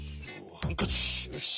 ハンカチよし。